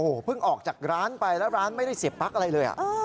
เพิ่งออกจากร้านไปแล้วร้านไม่ได้เสียบปั๊กอะไรเลย